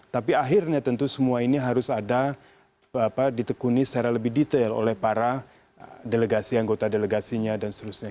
tapi akhirnya tentu semua ini harus ada ditekuni secara lebih detail oleh para delegasi anggota delegasinya dan seterusnya